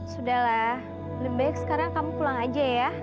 sudahlah lebih baik sekarang kamu pulang aja ya